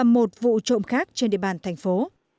một vụ trộm khác trên địa bàn thành phố